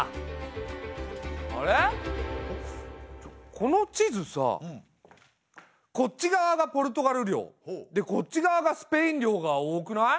この地図さあこっち側がポルトガル領でこっち側がスペイン領が多くない？